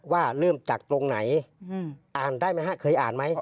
ว่าเริ่มจากตรงไหนอ่านได้ไหมฮะเคยอ่านไหม